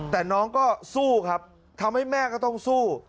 แต่น้องก็สู้ครับทำให้แม่ก็ต้องสู้